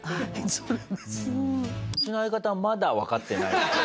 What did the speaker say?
うちの相方はまだわかってない。